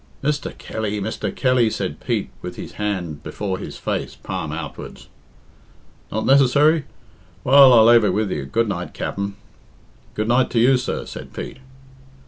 "Mr. Kelly! Mr. Kelly!" said Pete, with his hand before his face, palm outwards. "Not necessary? Well, I lave it with you. Good night, Capt'n." "Good night to you, sir," said Pete.